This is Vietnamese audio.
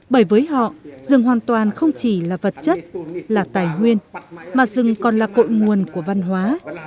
bởi với họ rừng hoàn toàn không chỉ là vật chất là tài nguyên mà rừng còn là cội nguồn của văn hóa